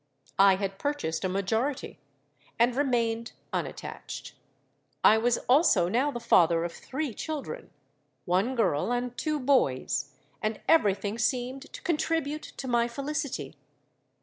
I had purchased a Majority, and remained unattached. I was also now the father of three children—one girl and two boys; and every thing seemed to contribute to my felicity.